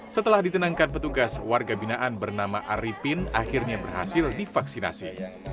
setelah ditenangkan petugas warga binaan bernama arifin akhirnya berhasil divaksinasi